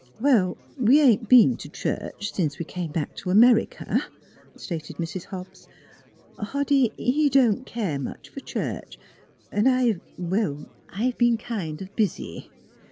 " Well, we ain't been to church since we came back to America," stated Mrs. Hobbs. " Hoddy, he don't care much for church, and I well, I've been kind of busy."